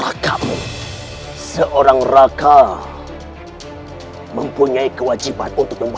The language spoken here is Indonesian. aku sangat mengharapkan bantuan darimu